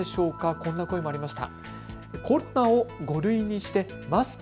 こんな声もありました。